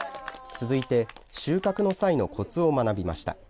続いて、収穫の際のこつを学びました。